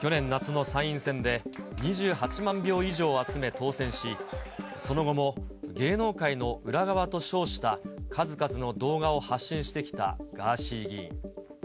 去年夏の参院選で、２８万票以上集め当選し、その後も芸能界の裏側と称した数々の動画を発信してきたガーシー議員。